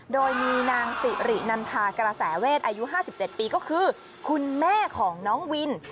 โดยมีนางสิรินันทากระแสเวทอายุ๕๗ปีก็คือคุณแม่ของน้องวิน